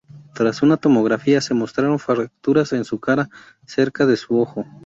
Tras una tomografía, se mostraron fracturas en su cara cerca de su ojo.